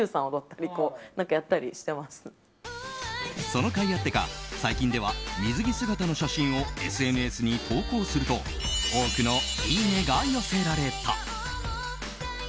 そのかいあってか、最近では水着姿の写真をＳＮＳに投稿すると多くのいいね！が寄せられた。